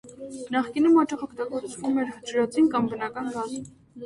Նախկինում հաճախ օգտագործվում էր ջրածին կամ բնական գազ։